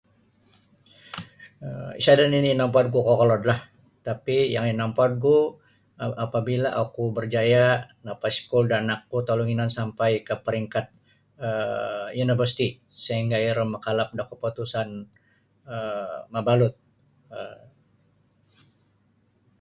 um Sada nini inompodku kokolod lah tapi yang inompodku apabila oku berjaya napaiskul da anakku tolu ngainan sampai ka paringkat um universiti sehingga iro makalap da keputusan um mabalut um